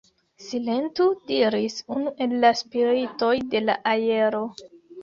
Silentu, diris unu el la spiritoj de la aero.